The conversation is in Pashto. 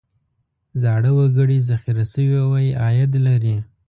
زاړه وګړي ذخیره شوی عاید لري.